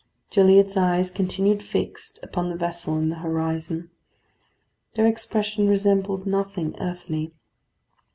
Gilliatt's eyes continued fixed upon the vessel in the horizon. Their expression resembled nothing earthly.